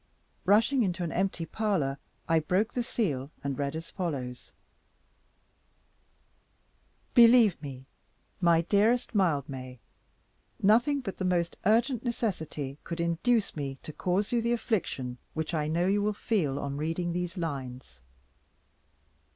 Rushing into an empty parlour, I broke the seal, and read as follows: "Believe me, my dearest Mildmay, nothing but the most urgent necessity could induce me to cause you the affliction which I know you will feel on reading these lines.